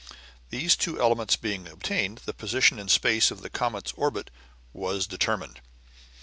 These two elements being obtained, the position in space of the comet's orbit was determined.